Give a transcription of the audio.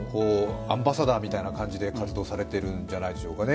アンバサダーみたいな感じで活動されていらっしゃるんじゃないでしょうかね。